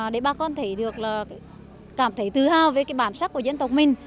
để bà con thấy được là cảm thấy tự hào về cái bản sắc của dân tộc mình